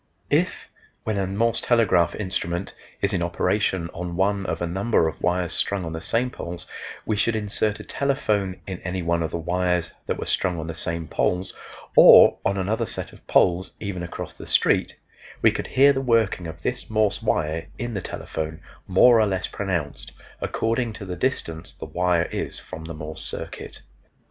If, when a Morse telegraph instrument is in operation on one of a number of wires strung on the same poles, we should insert a telephone in any one of the wires that were strung on the same poles or on another set of poles even across the street, we could hear the working of this Morse wire in the telephone, more or less pronounced, according to the distance the wire is from the Morse circuit.